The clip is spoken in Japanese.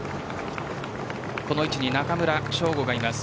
この位置に中村奨吾がいます。